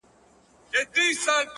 د ژوندون ساه او مسيحا وړي څوك،